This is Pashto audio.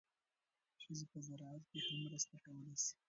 ښځې په زراعت کې هم مرسته کولی شي.